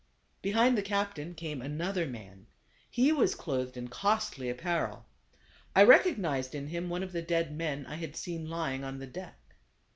Behind the captain came another man. He was clothed in costly apparel. I recognized in him one of the dead men I had seen lying on the deck.